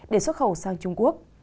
để xuất khẩu sang trung quốc